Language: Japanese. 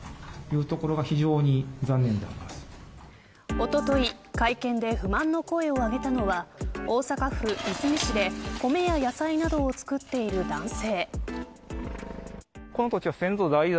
おととい会見で不満の声を上げたのは大阪府和泉市で米や野菜などを作っている男性。